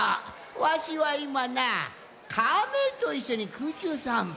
わしはいまなカメといっしょにくうちゅうさんぽ。